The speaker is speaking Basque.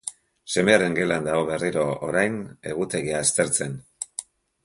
Semearen gelan dago berriro, orain egutegia aztertzen.